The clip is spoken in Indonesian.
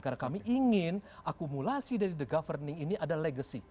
karena kami ingin akumulasi dari the governing ini ada legacy